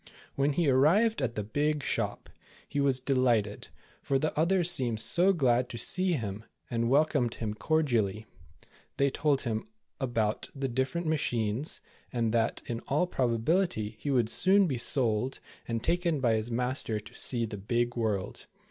When he arrived at the big shop, he was delighted, for the others seemed so glad to see him, and welcomed him cordially. They told him about the different machines, and that, in all probability he would soon be sold, and taken by his master to see the big world.